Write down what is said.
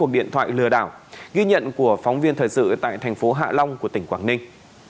điện thoại lừa đảo ghi nhận của phóng viên thời sự tại thành phố hạ long của tỉnh quảng ninh